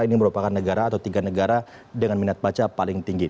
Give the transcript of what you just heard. ini merupakan negara atau tiga negara dengan minat baca paling tinggi